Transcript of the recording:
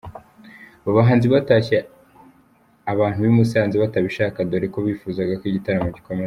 Aba bahanzi batashye abantu b'i Musanze batabishaka dore ko bifuzaga ko igitaramo gikomeza.